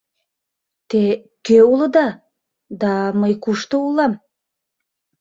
— Те кӧ улыда... да мый кушто улам?